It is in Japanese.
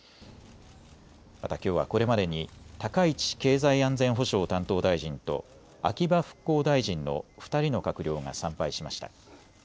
また、きょうはこれまでに高市経済安全保障担当大臣と秋葉復興大臣の２人の閣僚が参拝しました。